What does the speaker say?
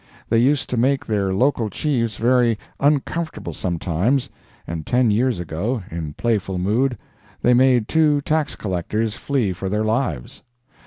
They used to make their local chiefs very uncomfortable sometimes, and ten years ago, in playful mood, they made two Tax Collectors flee for their lives.